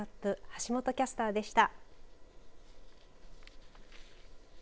橋本キャスターでした。